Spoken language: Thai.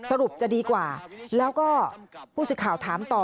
สรุปจะดีกว่าแล้วก็ผู้สื่อข่าวถามต่อ